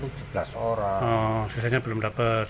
oh biasanya belum dapat